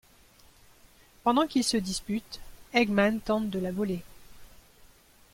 Pendant qu'ils se disputent, Eggman tente de la voler.